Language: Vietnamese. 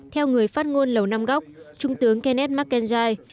theo người phát ngôn lầu năm góc trung tướng kenneth mckenzie